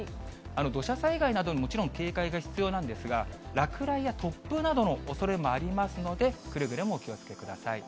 土砂災害などにももちろん警戒が必要なんですが、落雷や突風などのおそれもありますので、くれぐれもお気をつけください。